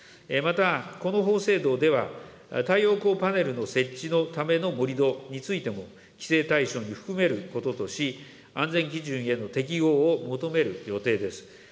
また、この法制度では、太陽光パネルの設置のための盛り土についても、規制対象に含めることとし、安全基準への適合を求める予定です。